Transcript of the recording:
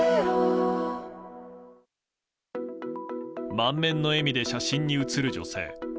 満面の笑みで写真に写る女性。